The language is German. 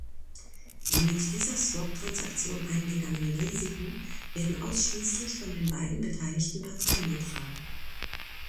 Die mit dieser Swap-Transaktion eingegangenen Risiken werden ausschließlich von den beiden beteiligten Parteien getragen.